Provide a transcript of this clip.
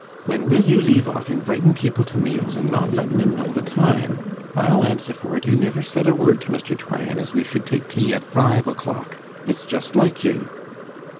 'When will you leave off invitin' people to meals an' not lettin' 'em know the time? I'll answer for't, you niver said a word to Mr. Tryan as we should take tea at five o'clock. It's just like you!